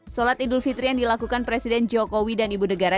sholat idul fitri yang dilakukan presiden jokowi dan ibu negara